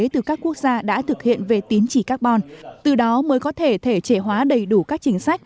từ các quốc gia đã thực hiện về tín chỉ carbon từ đó mới có thể thể chế hóa đầy đủ các chính sách